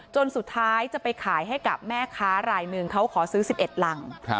จนสุดท้ายจะไปขายให้กับแม่ค้ารายหนึ่งเขาขอซื้อ๑๑รัง